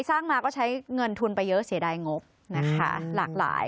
สร้างมาก็ใช้เงินทุนไปเยอะเสียดายงบนะคะหลากหลาย